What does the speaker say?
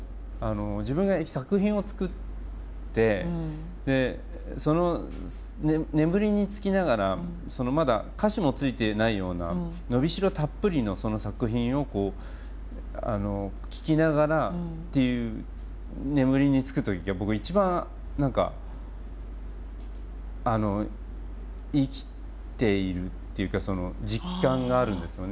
自分が作品を作って眠りにつきながらまだ歌詞もついていないような伸びしろたっぷりのその作品を聴きながらっていう眠りにつく時が僕一番何かあの生きているっていうかその実感があるんですよね。